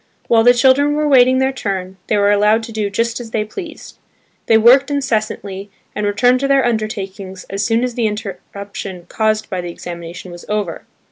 While the children were waiting their turn, they were allowed to do just as they pleased. They worked incessantly, and returned to their undertakings as soon as the interruption caused by the examination was over.